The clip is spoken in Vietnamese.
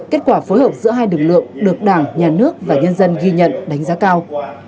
kết quả phối hợp giữa hai lực lượng được đảng nhà nước và nhân dân ghi nhận đánh giá cao